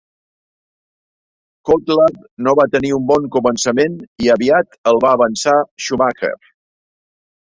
Coulthard no va tenir un bon començament i aviat el va avançar Schumacher.